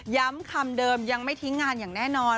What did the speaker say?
คำเดิมยังไม่ทิ้งงานอย่างแน่นอน